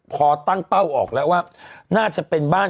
พอตั้งเป้าออกแล้วว่าน่าจะเป็นบ้าน